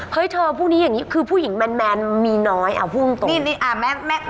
เธอพูดนี้อย่างนี้คือผู้หญิงแมนมีน้อยเอาพูดตรง